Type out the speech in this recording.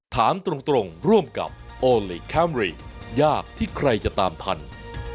ถามตรงร่วมกับโอลี่คัมรี่ยากที่ใครจะตามทัน